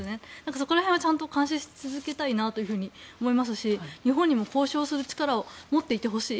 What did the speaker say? そこら辺は監視し続けたいなと思いますし日本にも交渉する力を持っていてほしい。